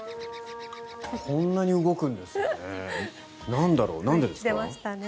こんなに動くんですね。